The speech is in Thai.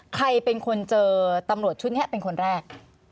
ใครเป็นคนเจอตำรวจชุดนี้เป็นคนแรก